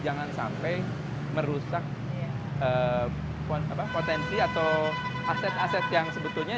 jangan sampai merusak potensi atau aset aset yang sebetulnya